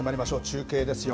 中継ですよ。